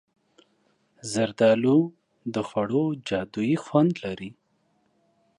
زردالو د خوړو جادويي خوند لري.